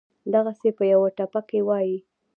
دغسې پۀ يوه ټپه کښې وائي: